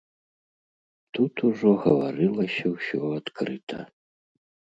Тут ужо гаварылася ўсё адкрыта.